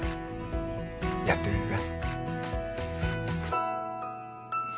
やってみるか？